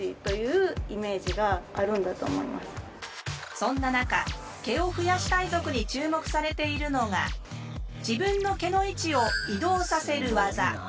そんな中毛を増やしたい族に注目されているのが自分の毛の位置を移動させる技。